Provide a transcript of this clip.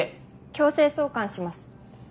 強制送還します。